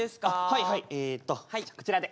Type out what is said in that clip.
はいはいえっとこちらで。